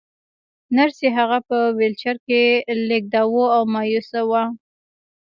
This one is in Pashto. نرسې هغه په ويلچر کې لېږداوه او مايوسه وه.